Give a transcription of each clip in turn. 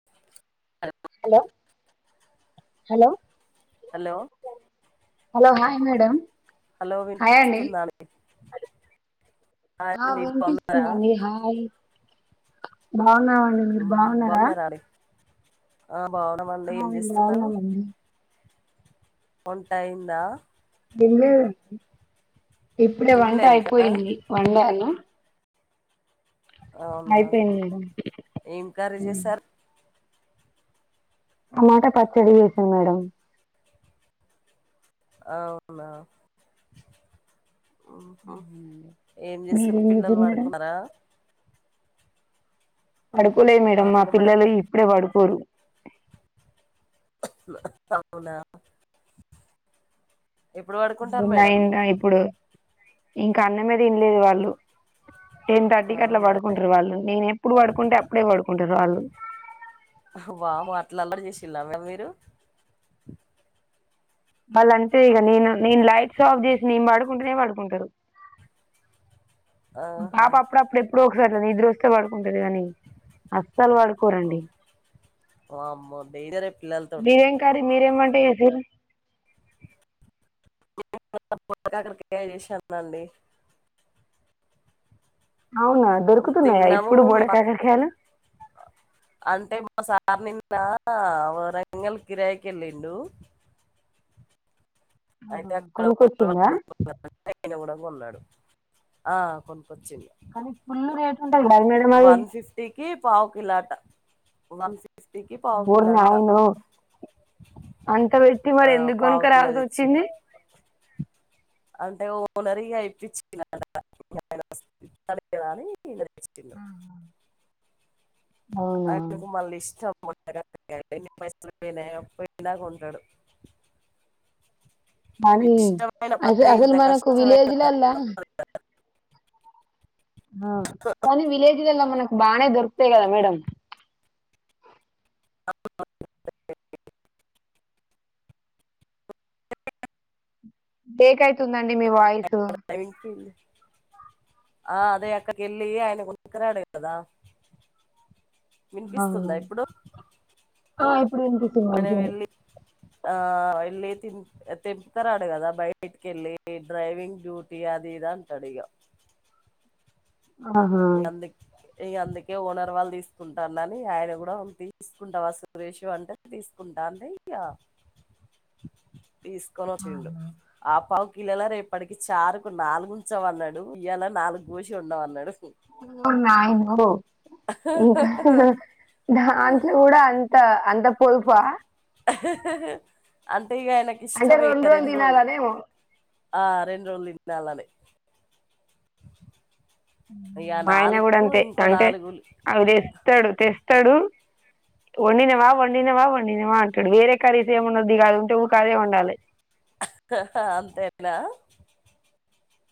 Hello hello hello hello hello hi madam hello hi అండి విన్పిస్తుందా ఆ వినిపిస్తుందండి హాయ్ బాగునారా మీరు మ్, బాగున్నారా అండి ఆ బాగునమండి ఏం ఆ మేము చేస్తున్నారు బాగున్నామండి వంట అయిందా తిన్లేదు ఇప్పుడే వంట తినలే ఇంకా అయిపోయింది వండాను అవునా అయిపోయింది మేడం ఏం కర్రీ చేసారు టమాట పచ్చడి చేశా మేడం అవునా అవునండి. ఏం చేస్తున్నవ్ మీరేం పిల్లలు చేసారు మేడం పడుకున్నారా పడుకోలే ఆ మేడం మా పిల్లలు ఇప్పుడే పడుకోరు అవున్నా నైన్నా ఇప్పుడు ఇంకా అన్నమే తినలేదు వాళ్ళు టెన్ థర్టీకి అట్లా అవునా పడుకుంటారు వాళ్ళు నేను ఎప్పుడు పడుకుంటే అప్పుడే పడుకుంటారు వాళ్ళు వామో అట్లా అల్లరి చేసిరా మరి మీరు వాళ్ళు అంతే ఇగ నేను నేన్ లైట్స్ ఆఫ్ చేసి నేన్ పడుకుంటేనే పడుకుంటారు మా ఆహా పాప అప్పుడప్పుడు ఎప్పుడో ఒకసారి అట్ల నిద్రొస్తే పడుకుంటది గానీ అస్సలు పడుకోరండి ఉమ్. వామ్మో డేంజరే పిల్లలతోటి బియ్య కర్రీ మీరేం వంట చేసిరు [inaudible] బోడకాకరకాయ చేశానండి అవునా దొరుకుతున్నాయా తిన్నాము ఇప్పుడు మీ పక్క బోడకాకరకాయలు అంటే మా సార్ నిన్న వరంగల్ కిరాయికెళ్ళిండు ఆహా అయితే అక్కడ కొనుక్కొచ్చిందా [inaudible] ఆయన కూడా కొన్నడు ఆ కొనుక్కొచ్చిండు కానీ ఫుల్లు రేటు వన్ ఫిఫ్టీకి పావుకిిలో అట వన్ ఫిఫ్ స్తికీ ఓరి పావుకిలో అంట నాయనో అంత పెట్టి మరి ఆ ఎందుకు కొనుక పావుకిలో రావాల్సి వచ్చింది తెచ్చిండు అంటే ఓనర్ ఇగ ఇప్పించిండంట [inaudible] [inaudible] అవునా ఆయనకు మళ్ళీ ఇష్టం బోడకాకరకాయలు ఎన్ని పైసలు పోయినా కొంటాడు కానీ ఇష్టమైన అస పని అసలు ఇంత మనకు కష్టమైన [inaudible] విలేజ్లల్లా కొనీ విలేజ్లలో మనకు బానే దొరకుతయి గదా మేడం బ్రేక్ అయితుందండి మీ వాయిసు ఆ అదే అక్కడికెళ్ళి ఆయన కొనుకురాడు కదా ఆ వినిపిస్తుందా ఇప్పుడు ఆ ఇప్పుడు వినిపిస్తుంది అయన మంచిగానే వెళ్ళి ఆ వెళ్ళ తిన్ తింటారా అడగాలి కదా బయటికి వెళ్ళి డ్రైవింగ్ డ్యూటీ అది ఇద అంటాడు ఇగా ఆహా అందుకే అందుకే ఓనర్ వాళ్ళు తీసుకుంటానని ఆయన కూడా తీసుకుంటాఅసలు సురేష అందరూ తీసుకుంటాం ఇయ్యా తీసుకొని వచ్చిండు ఆ పావు కిల్లలా రేపు అప్పటికి చారుకు నాలుగు ఉంచవాఅన్నాడు ఈయాల నాలుగు కోసి అండ అండమన్నాడు ఓరి నాయనో ఇంకా దాంట్లో కూడా అంత త అంతా పొదుపు అంతే ఇక ఆయనకు ఇష్టము రెండు రోజులు ఆ రెండు రోజులు తినాలని ఉ మా ఆయన కూడా అంతే అంటే నాలుగులు అవి తెస్తాడు తెస్తాడు వండినే వా వండినే వా వండినే వా అంటాడు వేరే కర్రీస్ ఏమి ఉండదు కాదు ఉంటే అవ్వే అదే వండాలి అంతేనా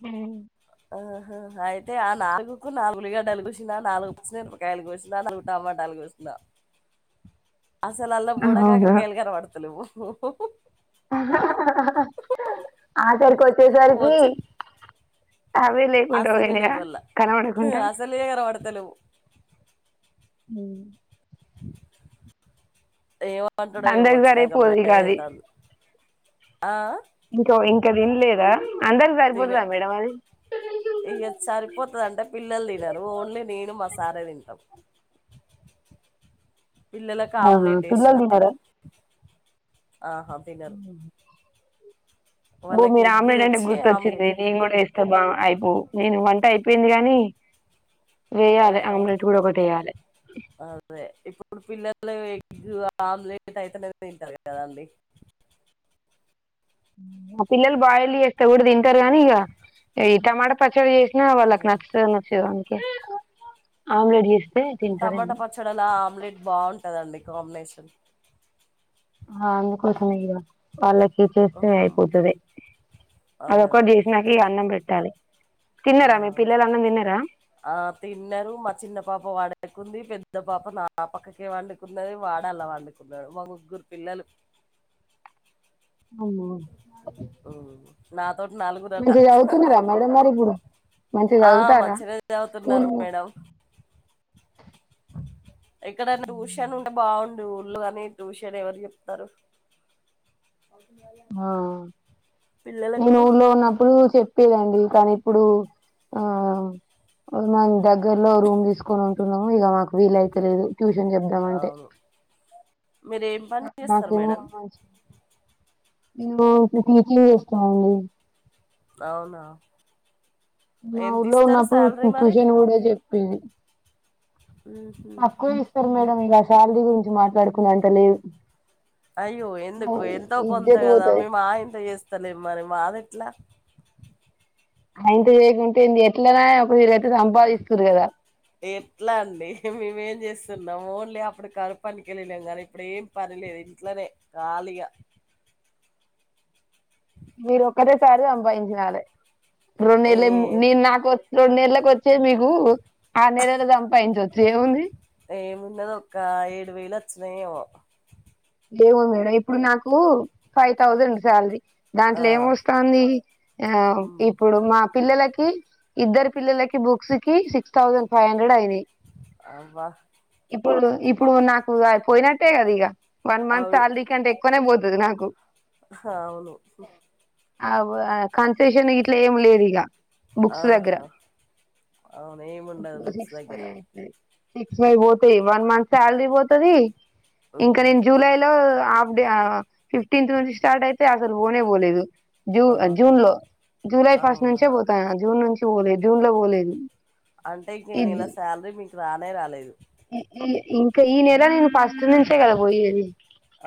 ఉ ఆహ అయితే ఆ నాలుగుకు నాలుగు ఉల్లిగడ్డలు కోసినా నాలుగు పచ్చి మిరప కాయలు కోసినా నగు టమాటాలు కోసిన అసలు అలా బోడ అవునా కాకరకాయ కనపడతలేవు ఆసరికి వచ్చేసరికి వచ్చింది ఆవేలే అసలే లేవు అల్లా అసలే కనబడత లేవు ఉ ఏమంటాడో ఏమో అందరికి వచ్చినంక సరిపోదు ఇగ అది భయమైతుంది ఆ ఇంకో ఇంకా తినలేదా అందరికి తినే సరిపోతుందా మేడం అది ఇయ్య సరిపోతుందింటే పిల్లలు తినరు ఓన్లీ నేను మా సారే తింటాము పిల్లలకు ఆహా ఆమ్లెట్ పిల్లలు వేసినా తినరా ఆహా తినరు ఓ వాళ్ళకి ఎగ్ ఆమ్లేడ్ అంటే తెచ్చి ఆమ్లెట్ గుర్తుచ్చింది నీను కూడా ఏస్తే బా అయిపో నేను వంట అయిపోయింది గాని వేయ్యాలి ఆహా ఆమ్లెట్ కూడా ఒకటి వేయాలే అదే ఇప్పుడు పిల్లలు ఎగ్ ఆమ్లెట్ అయితనే తింటారు కదాండి ఆ పిల్లలు బాయిల్ చేస్తే కూడా తింటారు కానీ ఇగ ఈ టమాటా పచ్చడి చేసినా ఆ, వాళ్ళకి నచ్చదు నచ్చేదో అందుకే ఆమ్లెట్ చేసిన టమాటా పచ్చడిలా ఆమ్లెట్ బాగుంటదండి కాంబినేషన్ ఆ అందుకోసమే ఇక వాళ్ళకి చేస్తే ఉమ్, అయిపోతుంది అదే మా అదే డిసి నాకు ఈ అన్నం పెట్టాలి ఆ తిన్నారా మీ పిల్లలు అన్నం తిన్నారా ఆ తిన్నారు మా చిన్న పాప వాడేకుంది పెద్ద పాప నా పక్కకే వండుకున్నది వాడు అల్లా పండుకుండు మా ముగ్గురు పిల్లలు అవున ఆ నాతోటి నలుగురు మంచిగా చదువుతున్నారా మేడం మరి ఇప్పుడు మంచిగా ఆ చదువుతారా మంచిగనే చదువుతున్నారు స్కూల్ మేడం ఇక్కడ టుషన్ ఉంటే బాగుండు ఊళ్ళు అని టూషన్ ఎవరు చెప్తరు [unintelligible] నువ్వు పిల్లలకు ఊర్లో ఉన్నప్పుడు చెప్పేదండి కానీ ఇప్పుడు ఆ మం దగ్గరలో రూమ్ తీసుకని ఉంటున్నము ఇగ మాకు వీలయితలేదు ట్యూషన్ చెప్దామంటే మీరేం పనీ చేస్తరు నాకేమో మేడం ఇంబో ఇట్లీట్ల చేస్తుంది అవునా మా ఎంత ఊర్లో ఇస్తారు ఉన్నప్పుడు శాలరీ టు మరి టూషన్ కూడా చెప్పేది తక్కువ ఇస్తారు మేడమ్ ఇగ శాలరీ గురించి మాట్లాడుకున్నే అంత లేదు అయ్యో ఎందుకు ఎంతో కొంత ఇజ్జత్ కదా పోతది మేము ఆయింత చేస్తలేం మరి మాదెట్లా ఆయింత చేయకుంటేంది ఎట్లనా ఒక వీలైతే సంపాదిస్తుర్రు కదా ఎట్లా అండీ మేమేం జేస్తున్నం ఓన్లీ అప్పుడు కరు పనికెళ్లినం గనీ ఇప్పుడు ఏం పనిలేదు ఇంట్లనే కాలిగ మీరొక్కటేసారీ అంపాయించినాలే ఏ రొన్నేళ్లేం నేన్ నాకోసం రోన్నేల్లకు వచ్చేది మీకూ ఆర్నెళ్ళలో సంపాయించొచ్చు ఏముందీ ఏమున్నది ఒక ఏడు వేలు వచ్చినయేమో ఏవో మేడం ఇప్పుడు నాకు ఫైవ్ థౌసండ్ శాలరీ ఆ, దాంట్ల ఏమోస్తాంది ఆ ఉమ్, ఇప్పుడు మా పిల్లలకి ఇద్దరు పిల్లలకి బుక్స్కి సిక్స్ థౌసండ్ ఫైవ్ హండ్రెడ్ అయినయ్ అవ్వ ఇప్పుడు ఇప్పుడూ నాకూ ఆయ్ పోయినట్టేగ ఇగ వన్ మంత్ అవును సాలరీ కంటే ఎక్కువనే పోతది నాకు అవును ఆ కాన్సేషన్ ఇట్ల ఏం లేదు ఇగ ఆబుక్స్ దేగ్గర ఆహా అవును ఏమి ఉండదు బుక్స్ దగ్గర సిక్స్ అయ్ బోతయ్ వన్ మంత్ స్యాల్రీ బోతదీ ఉమ్, ఇంక నేన్జి ఆయ్లో ఆఫ్డే ఫిఫ్టీన్త్ నుంచి స్టార్ట్ ఐతే అసలు బోనే బోలేదు జూ ఆహా జూన్లో జూలై ఫస్ట్ అవునా నుంచే బోతాన జూన్ నుంచి బోలే జూన్లో బోలేదు అంటే ఇక ఈ నెల స్యాల్రీ మీకు రానే రాలేదు ఇ ఇ ఇంక ఈ నెల నేను ఫస్ట్ నుంచే కదా పోయేది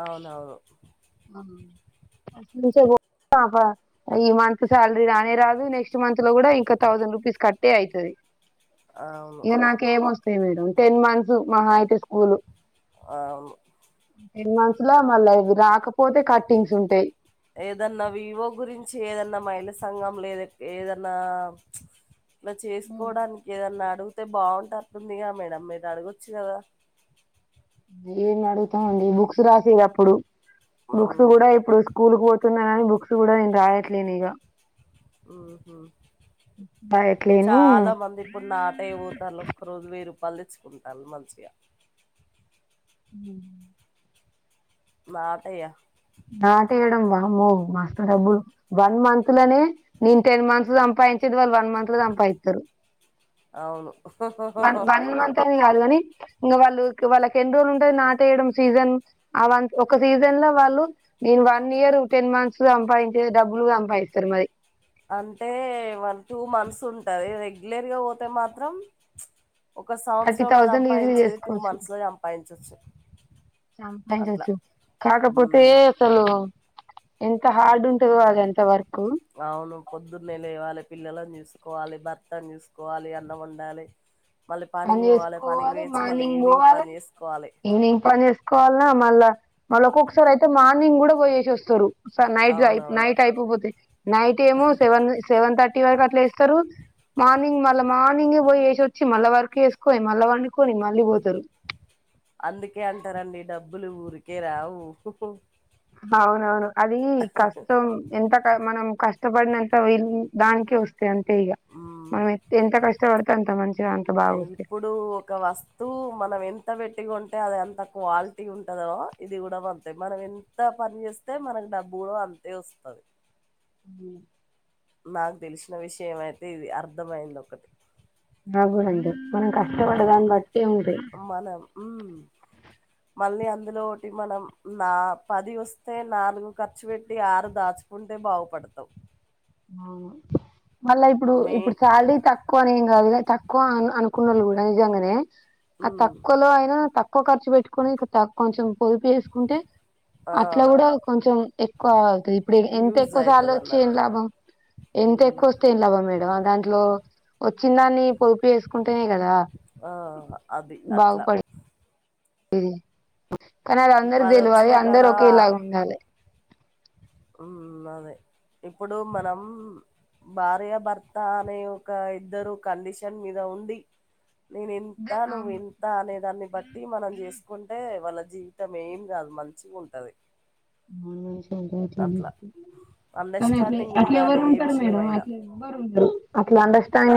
ఔనవును [unintelligible] ఈ మంతు స్యాల్రి రానే రాదు నెక్స్ట్ మంత్లో గుడా ఇంక థౌసండ్ రూపీస్ కట్టే ఐతదీ అవును ఇగ నాకేం వస్తాయి మేడం టెన్ మంత్స్ మహా అయితే స్కూల్ ఆవును టెన్ మంత్స్ల మళ్ళ ఇవి రాకపోతే కట్టింగ్స్ ఉంటయ్ ఏదన్న వివో గురించీ ఏదన్న మహిళ సంఘం లేద ఏదన్నా ఇలా చేసుకోవడానికి ఏదన్నా అడిగితే బాగుంటదిగా మేడం మీరు అడగొచ్చు కదా ఏం అడుగుతామండీ బుక్స్ రాసీరు అప్పుడు బుక్స్ ఉమ్ గూడా ఇప్పుడు స్కూల్ పోతున్నానని బుక్స్ కూడా నేను రాయట్లేను ఇగ ఊహూ రాయట్లేను చాల మంది ఇప్పుడు నాట ఏ పోతారు ఒక్కరోజు వేయి రూపాయలు తెచ్చుకుంటర్రు మంచిగ ఉమ్ మా పైయా నాటేయడం వామ్మో మస్తు డబ్బులు వన్ మంత్ లనే నేన్ టెన్ మంత్స్ సంపాయిచేది వాళ్ళు వన్ మంత్ ల సంపాయిత్తరు అవును వన్ వన్ మంతనీ గాదు గనీ ఇంగ వాళ్ళు క్ వాళ్ళకెన్న్ రోజులుంటది నాటేయడం సీజన్ అ వన్ ఒక సీజన్ ల వాళ్ళు నేను వన్ ఇయరూ టెన్ మంత్స్ సంపాయించే డబ్బులు సంపాయిస్తరు మరి అంటే వన్ టూ మంత్స్ ఉంటదీ రెగ్యులర్గా వోతే మాత్రం ప్చ్ ఒక థర్టీ సంవత్సరం ల థౌజండ్ ఈజీ సంపాదించేది టూ చేసుకోవచ్చు మంత్స్ ల సంపాదించొచ్చు సంపాయించోచ్చు కాకపోతే ఉమ్ సోలు ఎంత హార్డ్ ఉంటదో అదంత వర్క్ ఔను పొద్దున్నే లేవాలే పిల్లలన్ జూస్కోవాలి భర్తన్ జూస్కోవాలి అన్నం ఒండాలి మళ్ళీ పని పనిక్ వోవాలె పనిక్ చేసుకోవాలి వోయోచ్చి మళ్ళీ మార్నింగ్ ఈవినింగ్ పోవాలి పన్ చేసుకోవాలి ఈవినింగ్ పన్ చేస్ కోల్నా మళ్ళా మళ్ళోక్కొక్కసారైతే మార్నింగ్ గుడ బోయేసోస్తరూ స నైట్ దై అవునవును నైట్ ఐపో పోతే నైట్ ఏమో సెవన్ సెవన్ థట్ ట్టీ వరక్ అట్ల ఏస్తరు మార్నింగ్ మళ్ళా మార్నింగ్ ఏ బోయ్ ఏసోచ్చి మళ్ళా వర్ కేస్కోని మళ్ళ వండుకొని మళ్ళీ పోతరు అందుకే అంటరండీ డబ్బులూ ఊరికే రావు హు హూ ఔనవును అదీ కష్టం ఎంతక మనం కష్ ష్టపడినంత విన్ దాన్ కే వస్తే అంతే ఈగ ఉమ్ మనం ఎత్ ఎంత కష్టపడితే అంత మంచిగా అంత బాగోస్తయ్ డూ ఒక వస్తువు మనం ఎంత వెట్టి కొంటె అది అంత క్వాలిటీ ఉంటదో ఇది గూడా వంతే మనం ఎంత పన్ చేస్తే మనక్ డబ్బు కూడా అంతే ఒస్తాది ఉ నాక్ దెలిసిన విషయం ఐతే ఇదీ అర్థమైందొకటి నాక్కూడాంతే మనం ఉమ్, కష్టపడదాన్ బట్టి ఉంటయ్ మనం ఊం మళ్ళీ అందులో ఒటి మనం నా పది ఒస్తే నాలుగు ఖర్చు వెట్టి ఆరు దాచ్ ఉంటే బావుపడతవ్ అవును మళ్ళా ఇప్పుడు ఇప్పుడు మెయిన్ శాలరీ తక్ కొని ఏం గాదులే తక్కువ అ అనుకున్నళ్ళు కూడా నిజంగనే అ తక్కువలో అయినా తక్కువ ఖర్చు పెట్టుకొని ఇక త కొంచెం పొదుపు చేసుకుంటే అట్లా కూడా కొంచెం ఎక్కువ ఆగుతది ఇప్పుడు ఎంత యూజ్ ఎక్కువ శాలరీ అవుతుంది ఒచ్చి ఏం అన్నట్టు లాభం ఉమ్, ఎంతెక్కువోస్తే ఏం లాభం మేడం అ దాంట్లో ఒచ్చిన్ దాన్ని పొదుపు చేసుకుంటేనే గదా ఆ, అది అట్లా బాగుపడి ఇది కానదద్ అందర్ పది వచ్చిన దెల్వది అందర్ ఒకేలాగుండాలె ఊంన్నదే ఇప్పుడూ మనం భార్య భర్త అనే ఒక ఇద్దరు కండిషన్ మీద ఉండి నేనింతా నువ్వింతా అనే దాన్ని బట్టి మనం జేస్కున్ టే వాళ్ళ జీవితం ఏం గాదు మంచిగుంటది [unintelligible] కాన్ అట్లే అండర్స్టాండింగ్ అట్లే ఉండాలి ఏ ఎవ్వరుంటరు మేడం విషయమైనా అట్లే ఎవరుండ అట్లా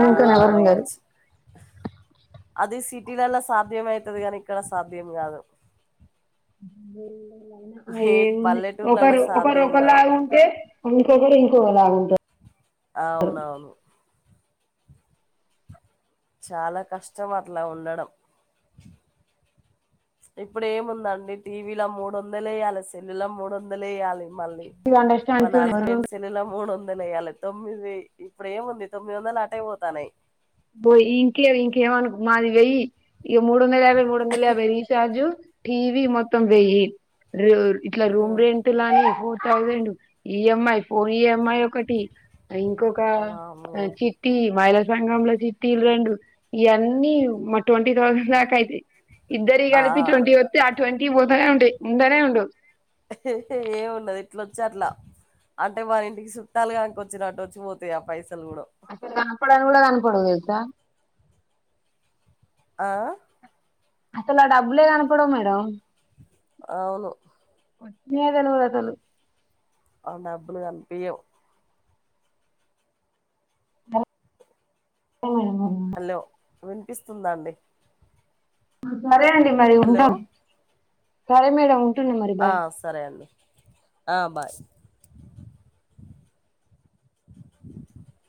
ఆ తోని ఎవరుండరు అదీ సిటీలల్ల సాధ్యమైతది గాని ఇక్కడ సాధ్యం గా దు [unintelligible] అ ఏ మెయిన్ ఉంది పల్లెటూర్లలో ఒకరు ఒకర్ సాధ్యం కాదు ఒకలాగు టే ఇంకొకరు ఇంకోలాగుంటరు ఆవునవును చాల కష్టం అట్లా ఉండడం ఇప్పుడేముందండీ టీవీలో మూడోందల్ ఏయాలె సెల్లు లో మూడోందల్ ఏయాలి మళ్ళీ అండర్స్టాండ్ మన తో అస్బెండ్స్ తొమ్మిది మూడు వందలు వేయ్యాల తొమ్మిది ఇప్పుడు ఏముంది తొమ్మిది వందలు అటే పోతున్న [unintelligible] బోయ్ ఈ ఇంట్లో ఇంకేమనక్ మాది వెయ్యీ ఇగ మూడోందల్ యాభై మూడోందల యాభై [unintelligible] చాజు టివి మొత్తం వెయ్యీ [unintelligible] ఇట్లా రూమ్ రెంటు [unintelligible] ఈఎంఐ [unintelligible] అమ్మాయి ఒకటీ ఇంకొకా వామ్మో చిట్టీ మైళ సంగంలో చి టీల్ గండూ ఇయన్నీ మ ట్వంటీ థౌసండ్ దాకా ఐతయ్ ఇద్దర్వి ఆ కలిపి ట్వంటీ [unintelligible] పోతనే ఉంటే ఉండనే ఉండవు ఏముండదు ఇట్లా వచ్చి అట్ల అంటే మన ఇంటికి చుట్టాలుగాక వచ్చినట్టు వచ్చిపోతాయి ఆ పైసలు కూడ అక్కడ కనపడదు కూడ కనపడదు తెల్సా ఆ అసలు ఆ డబ్బులే కనపవ మేడం అవును [unintelligible] ఆ డబ్బులు కనిపియ్యావ్ మేడం హలో వినిపిస్తుందా అండి సరే అండి మరి హలో ఉంటాం సరే మేడం ఉంటున్నా మరి బాయ్ ఆ సరే అండి ఆ బాయ్ [unintelligible] [inaudible]